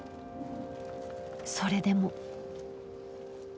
それでも。